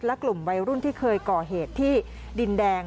และกลุ่มวัยรุ่นที่เคยก่อเหตุที่ดินแดง